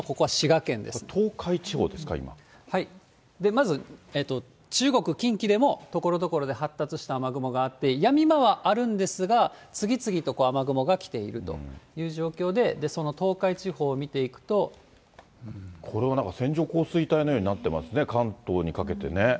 まず中国、近畿でもところどころで発達した雨雲があって、やみ間はあるんですが、次々と雨雲が来ているという状況で、これはなんか、線状降水帯のようになってますね、関東にかけてね。